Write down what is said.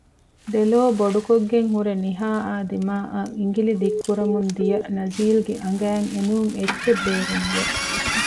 ދެލޯ ބޮޑުކޮށްގެން ހުރެ ނިހާއާ ދިމާއަށް އިނގިލި ދިއްކުރަމުން ދިޔަ ނަޒީލްގެ އަނގައިން އެނޫން އެއްޗެއް ބޭރެއް ނުވެ